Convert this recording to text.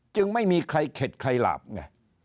จึงไม่มีใครเข็ดใครหลาบไง